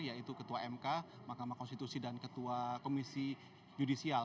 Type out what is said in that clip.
yaitu ketua mk mahkamah konstitusi dan ketua komisi yudisial